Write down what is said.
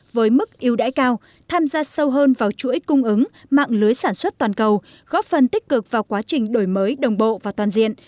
với mức yêu đãi cao tham gia sâu hơn vào chuỗi cung ứng mạng lưới sản xuất toàn cầu góp phần tích cực vào quá trình đổi mới đồng bộ và toàn diện